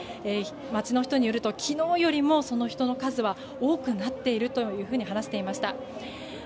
街の人によると昨日よりも人の数は多くなっているというふうに話していました。